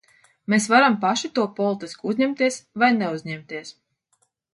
Mēs varam paši to politiski uzņemties vai neuzņemties.